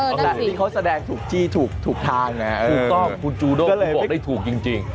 เออนั่นสิแล้วที่เขาแสดงถูกที่ถูกทางนะถูกต้องคุณจูโด้คุณบอกได้ถูกจริง